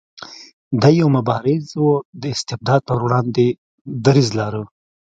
دی یو مبارز و د استبداد په وړاندې دریځ لاره.